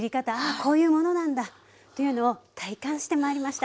「こういうものなんだ」というのを体感してまいりました。